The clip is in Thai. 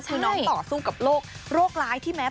คือน้องต่อสู้กับโรคร้ายที่แม้